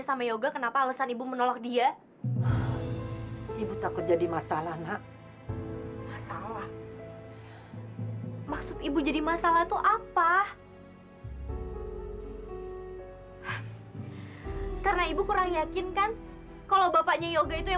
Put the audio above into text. sampai jumpa di video selanjutnya